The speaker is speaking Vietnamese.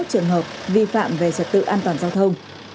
bốn trăm ba mươi một trường hợp vi phạm về trật tự an toàn giao thông